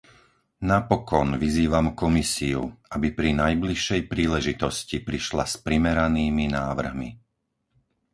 Napokon vyzývam Komisiu, aby pri najbližšej príležitosti prišla s primeranými návrhmi.